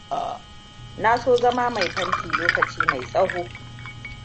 Na so zama mai fanti lokaci mai tsaho.